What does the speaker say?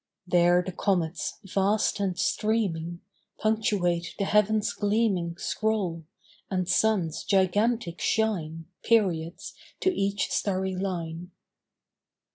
There the comets, vast and streaming, Punctuate the heavens' gleaming Scroll; and suns, gigantic, shine, Periods to each starry line.